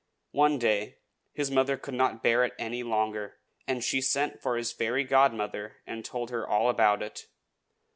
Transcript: One day his mother could not bear it any longer, and she sent for his fairy godmother, and told her all about it.